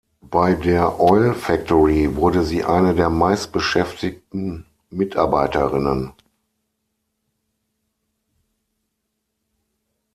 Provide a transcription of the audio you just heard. Bei der "Oil Factory" wurde sie eine der meistbeschäftigten Mitarbeiterinnen.